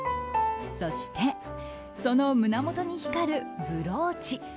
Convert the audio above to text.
そして、その胸元に光るブローチ。